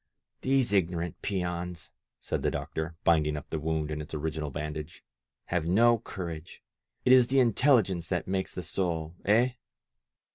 "These ignorant peons," said the doctor, binding up the wound in its original bandage, "have no courage. It is the intelligence that makes the soul, eh?"